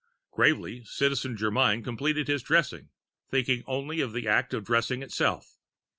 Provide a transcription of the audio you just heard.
Gravely, Citizen Germyn completed his dressing, thinking only of the act of dressing itself.